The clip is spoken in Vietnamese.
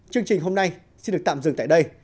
chương trình hôm nay xin được tạm dừng tại đây